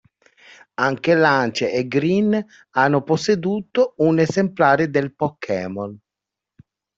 Anche Lance e Green hanno posseduto un esemplare del Pokémon.